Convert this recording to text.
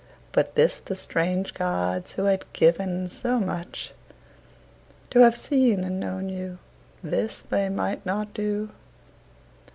But this the strange gods, who had given so much, To have seen and known you, this they might not do.